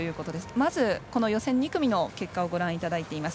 まずこの予選２組の結果をご覧いただいています。